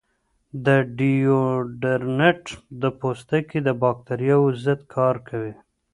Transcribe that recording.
ډیوډرنټ د پوستکي د باکتریاوو ضد کار کوي.